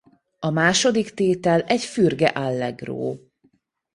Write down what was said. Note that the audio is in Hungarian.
A második tétel egy fürge allegro.